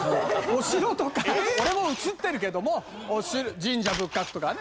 お城とか俺も写ってるけども神社仏閣とかね。